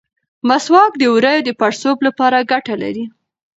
مسواک د ووریو د پړسوب لپاره ګټه لري.